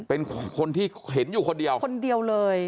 เป็นคนที่เห็นอยู่คนเดียวคนเดียวเลย